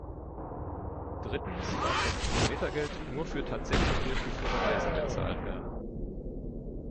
Drittens darf das Kilometergeld nur für tatsächlich durchgeführte Reisen gezahlt werden.